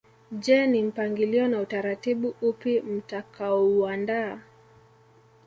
Je ni mpangilio na utaratibu upi mtakaouandaa